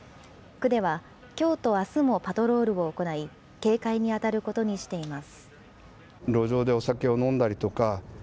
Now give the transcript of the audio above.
区ではきょうとあすもパトロールを行い、警戒に当たることにしています。